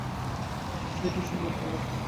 সে ডিসির নিয়ন্ত্রণে আছে।